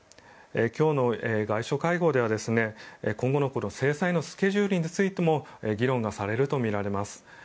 今日の外相会合では、今後の制裁のスケジュールについても議論がされるとみられます。